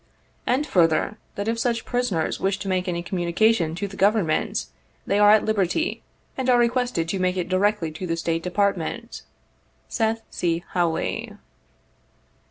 "And further, that if such prisoners wish to make any communi cation to the Government, they are at liberty, and are requested to make it directly to the State Department. "SETH C. HAWLEY."